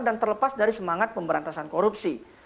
dan terlepas dari semangat pemberantasan korupsi